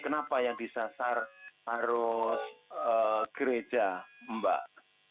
kenapa yang disasar harus gereja mbak